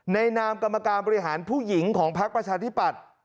นามกรรมการบริหารผู้หญิงของพักประชาธิปัตย์